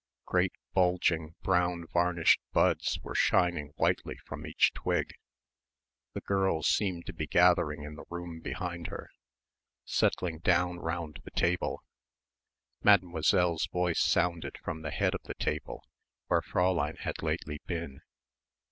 Great bulging brown varnished buds were shining whitely from each twig. The girls seemed to be gathering in the room behind her settling down round the table Mademoiselle's voice sounded from the head of the table where Fräulein had lately been.